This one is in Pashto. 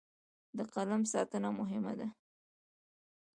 د قلم ساتنه مهمه ده.